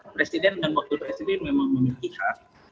presiden dan wakil presiden memang memiliki hak